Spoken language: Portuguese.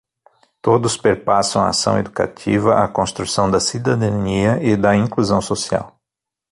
Todos perpassam a ação educativa, a construção da cidadania e da inclusão social